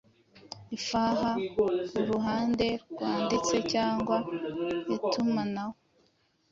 ifaha kuruhande rwandite cyangwa itumanaho